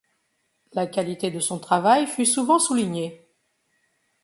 La qualité de son travail fut souvent souligné.